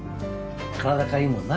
体かゆいもんな。